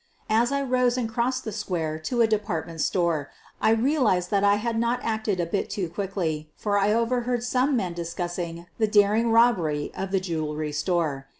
As I rose and crossed the square to a department store I realized that I had not acted a bit too quickly, for I overheard some men discussing the daring robbery of the jewelry store.